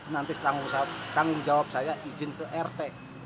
nanti tanggung jawab saya izin ke rt